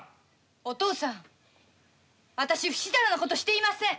お父さん私ふしだらなことしていません！